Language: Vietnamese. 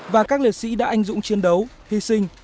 và các liệt sĩ đã anh dũng chiến đấu hy sinh